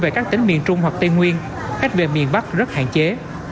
về các tỉnh miền trung hoặc tây nguyên khách về miền bắc rất hạn chế